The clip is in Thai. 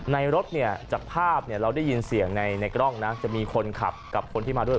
รถเนี่ยจากภาพเราได้ยินเสียงในกล้องนะจะมีคนขับกับคนที่มาด้วย